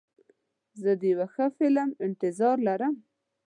زه د یو ښه فلم انتظار لرم.